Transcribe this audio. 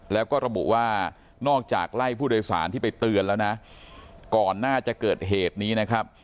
แล้วก็ระบุว่านอกจากไล่ผู้โดยสารที่ไปเตือนแล้วนะก่อนหน้าจะเกิดเหตุนี้นะครับ